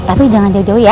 tapi jangan jauh jauh ya